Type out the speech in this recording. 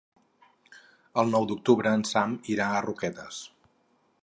El nou d'octubre en Sam irà a Roquetes.